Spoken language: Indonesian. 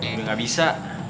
udah gak bisa